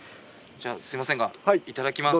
じゃあすみませんがいただきます。